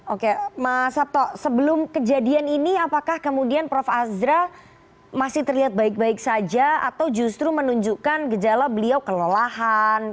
oke mas sabto sebelum kejadian ini apakah kemudian prof azra masih terlihat baik baik saja atau justru menunjukkan gejala beliau kelelahan